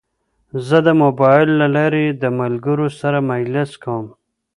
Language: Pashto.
زه د موبایل له لارې د ملګرو سره مجلس کوم.